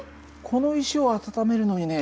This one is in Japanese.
この石を温めるのにね